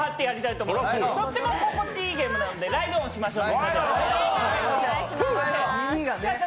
とっても心地いいゲームなのでライドオンしましょう。